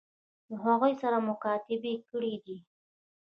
له هغوی سره یې مکاتبې کړي دي.